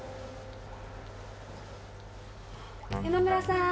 ・山村さーん。